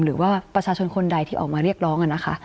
หรือว่าประชาชนคนใดที่ออกมาเรียกร้องนะคะ